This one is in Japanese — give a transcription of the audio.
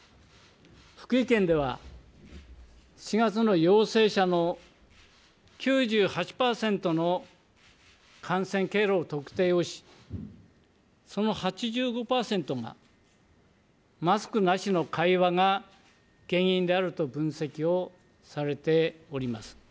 福井県では、４月の陽性者の９８％の感染経路を特定をし、その８５％が、マスクなしの会話が原因であると分析をされております。